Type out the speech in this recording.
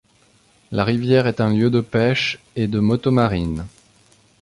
La rivière est un lieu de pêche et de motomarine.